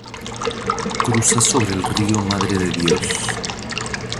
Cruza sobre el río Madre de Dios.